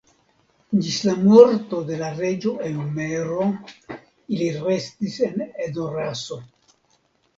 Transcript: Ĝis la morto de la reĝo Eomero ili restis en Edoraso.